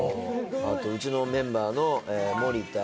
あとうちのメンバーの森田。